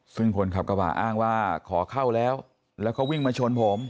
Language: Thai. ซึ่งคนขับกระบะอ้างว่าขอเข้าแล้วแล้วก็วิ่งมาชนผม